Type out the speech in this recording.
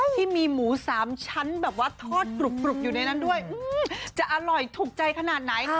ที่มีหมูสามชั้นแบบว่าทอดกรุบอยู่ในนั้นด้วยจะอร่อยถูกใจขนาดไหน